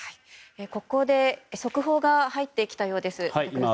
ここで速報が入ってきたようです。